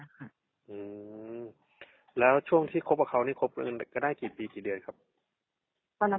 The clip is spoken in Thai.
โอเคช่วงที่เจอกับเขาคือกิจได้ได้หรือเป็นการนาน